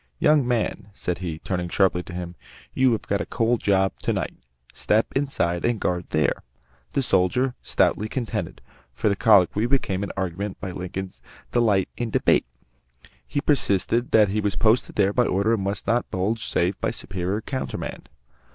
"Young man," said he, turning sharply to him, "you have got a cold job to night. Step inside and guard there." The soldier stoutly contended for the colloquy became an argument by Lincoln's delight in debate. He persisted that he was posted there by orders and must not budge save by a superior countermand.